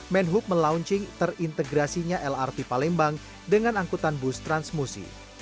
menhub melaunching terintegrasinya lrt palembang dengan angkutan bus transmusi